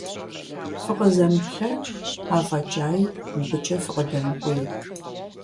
ФыкъызэмыплъэкӀ, афӀэкӀаи мыбыкӀэ фыкъыдэмыкӀуей.